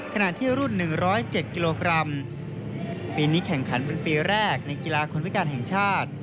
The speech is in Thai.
ขณะที่รุ่น๑๐๗กิโลกรัมปีนี้แข่งขันเป็นปีแรกในกีฬาคนพิการแห่งชาติ